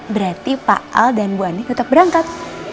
berarti pak al dan bu ani tetap berangkat